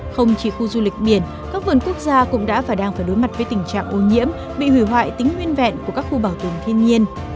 không chỉ khu du lịch biển các vườn quốc gia cũng đã và đang phải đối mặt với tình trạng ô nhiễm bị hủy hoại tính nguyên vẹn của các khu bảo tồn thiên nhiên